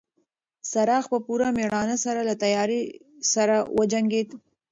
څراغ په پوره مېړانه سره له تیارې سره وجنګېد.